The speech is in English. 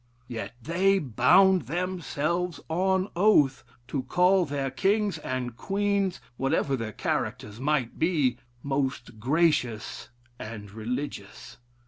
Yet they bound themselves on oath to call their kings and queens, whatever their characters might be, most gracious and religious.'